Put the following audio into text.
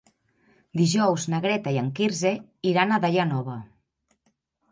Dijous na Greta i en Quirze iran a Daia Nova.